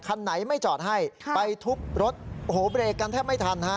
คันไหนไม่จอดให้ไปทุบรถโอ้โหเบรกกันแทบไม่ทันฮะ